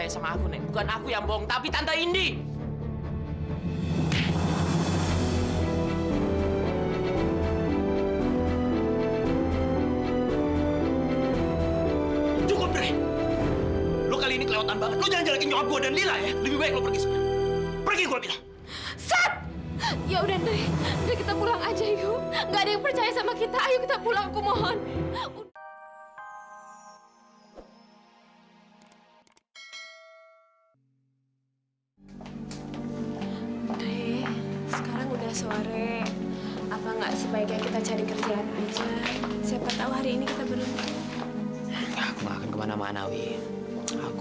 sampai jumpa di video selanjutnya